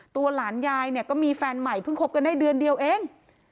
หลานยายเนี่ยก็มีแฟนใหม่เพิ่งคบกันได้เดือนเดียวเอง